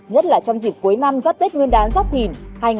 nhất là trong dịp cuối năm giáp tết nguyên đán giáp thìn hai nghìn hai mươi bốn